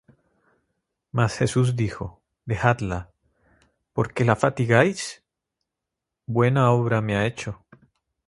Mas Jesús dijo: Dejadla; ¿por qué la fatigáis? Buena obra me ha hecho;